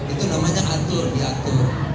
itu namanya atur diatur